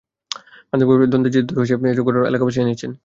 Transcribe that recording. মাদক ব্যবসা নিয়ে দ্বন্দ্বের জের ধরে এসব ঘটনা ঘটে বলে এলাকাবাসী জানিয়েছেন।